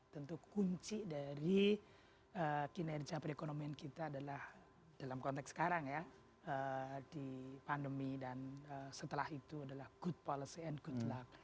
tentu kunci dari kinerja perekonomian kita adalah dalam konteks sekarang ya di pandemi dan setelah itu adalah good policy and good luck